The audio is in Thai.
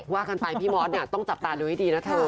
ว่ากันไปพี่มอสเนี่ยต้องจับตาดูให้ดีนะเธอ